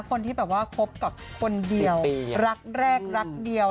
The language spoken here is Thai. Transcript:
คนที่แบบว่าคบกับคนเดียวรักแรกรักเดียว